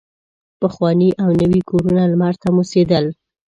پخواني او نوي کورونه لمر ته موسېدل.